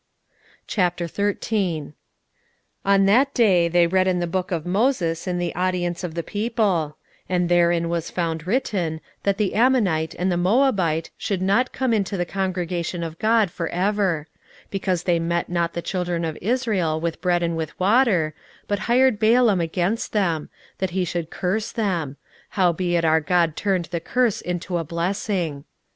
16:013:001 On that day they read in the book of Moses in the audience of the people; and therein was found written, that the Ammonite and the Moabite should not come into the congregation of God for ever; 16:013:002 Because they met not the children of Israel with bread and with water, but hired Balaam against them, that he should curse them: howbeit our God turned the curse into a blessing.